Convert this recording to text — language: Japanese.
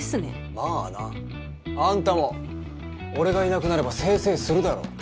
まあな。あんたも俺がいなくなればせいせいするだろ。